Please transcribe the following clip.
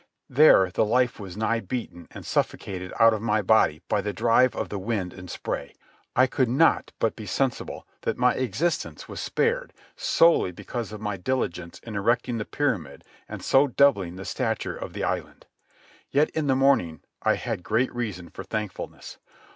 There the life was nigh beaten and suffocated out of my body by the drive of the wind and spray. I could not but be sensible that my existence was spared solely because of my diligence in erecting the pyramid and so doubling the stature of the island. Yet, in the morning, I had great reason for thankfulness.